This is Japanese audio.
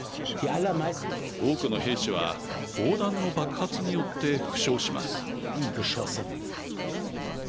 多くの兵士は砲弾の爆発によって負傷します。